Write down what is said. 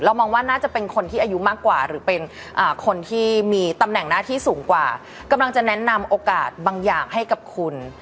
มองว่าน่าจะเป็นคนที่อายุมากกว่าหรือเป็นคนที่มีตำแหน่งหน้าที่สูงกว่ากำลังจะแนะนำโอกาสบางอย่างให้กับคุณ